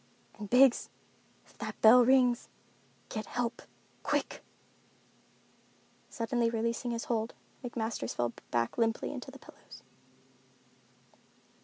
And Biggs—if that bell rings, get help—quick!" Suddenly releasing his hold, McMasters fell back limply among the pillows.